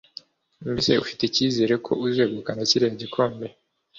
Mbese ufite icyizere ko uzegukana kiriya gikombe